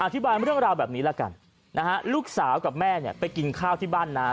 อธิบายเรื่องราวแบบนี้ละกันนะฮะลูกสาวกับแม่เนี่ยไปกินข้าวที่บ้านน้า